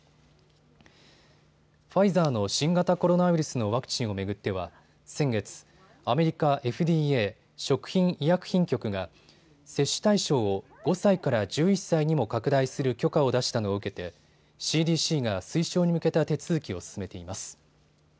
ファイザーの新型コロナウイルスのワクチンを巡っては先月、アメリカＦＤＡ・食品医薬品局が接種対象を５歳から１１歳にも拡大する許可を出したのを受けてＣＤＣが推奨に向けた手続きを進めています。